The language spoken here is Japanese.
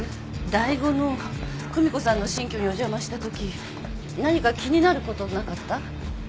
醍醐の久美子さんの新居にお邪魔したとき何か気になることなかった？